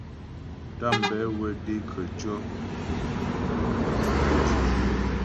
Tàmbɛ wə də́ khətʉɔ̌ fʉtəm jwǐ é.